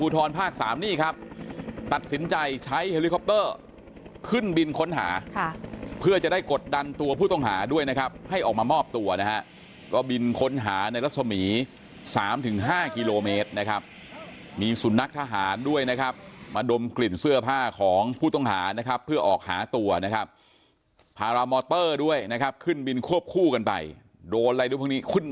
ภาค๓นี่ครับตัดสินใจใช้เฮลิคอปเตอร์ขึ้นบินค้นหาค่ะเพื่อจะได้กดดันตัวผู้ต้องหาด้วยนะครับให้ออกมามอบตัวนะฮะก็บินค้นหาในรัศมี๓๕กิโลเมตรนะครับมีสุนัขทหารด้วยนะครับมาดมกลิ่นเสื้อผ้าของผู้ต้องหานะครับเพื่อออกหาตัวนะครับพารามอเตอร์ด้วยนะครับขึ้นบินควบคู่กันไปโดนอะไรด้วยพวกนี้ขึ้น